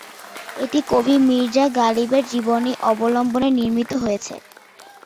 এটি কবি মির্জা গালিবের জীবনী অবলম্বনে নির্মিত হয়েছে।